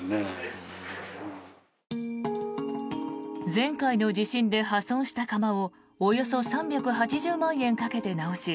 前回の地震で破損した窯をおよそ３８０万円かけて直し